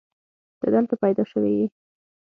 ته دلته پيدا شوې يې.